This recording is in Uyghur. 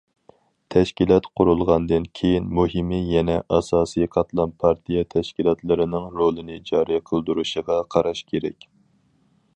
تەشكىلات قۇرۇلغاندىن كېيىن، مۇھىمى يەنە ئاساسىي قاتلام پارتىيە تەشكىلاتلىرىنىڭ رولىنى جارى قىلدۇرۇشىغا قاراش كېرەك.